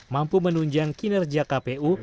mampu menunjang kinerja kpu